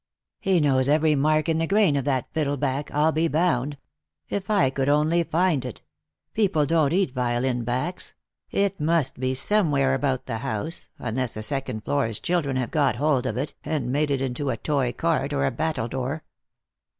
" He knows every mark in the grain of that fiddle back, I'll be bound. If I could only find it. People don't eat violin backs ; it must be somewhere about the house, unless the second floor's children have got hold of it, and made it into a toy cart or a battledoor."